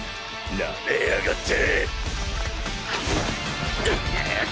なめやがって！